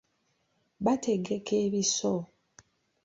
Bategeka ebiso.